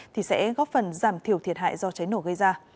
thì sẽ góp phần giảm thiểu thiệt hại do cháy nổ gây ra